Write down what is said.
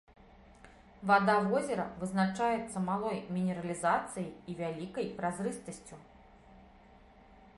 Вада возера вызначаецца малой мінералізацыяй і вялікай празрыстасцю.